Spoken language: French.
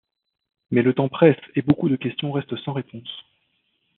Mais le temps presse et beaucoup de questions restent sans réponses.